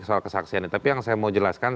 soal kesaksiannya tapi yang saya mau jelaskan